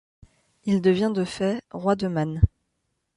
Il devient de fait roi de Man.